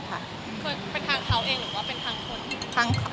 เป็นทางเขาเองหรือว่าเป็นทางคน